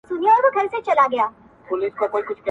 له ښكارونو به يې اخيستل خوندونه٫